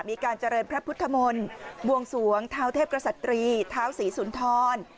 มีการเจริญพระพุทธมนต์บวงสวงเท้าเทพกษัตรีท้าวศรีสุนทร